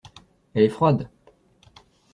Elle est froide.